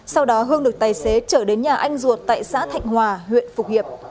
sau đó hương được tài xế chở đến nhà anh duột tại xã thạnh hòa huyện phục hiệp